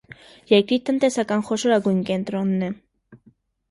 Երկրի տնտեսական խոշորագույն կենտրոնն է։